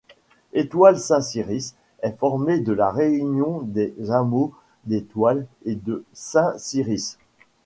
Étoile-Saint-Cyrice est formée de la réunion des hameaux d'Étoile et de Saint-Cyrice.